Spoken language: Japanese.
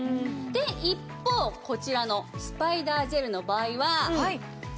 で一方こちらのスパイダージェルの場合は。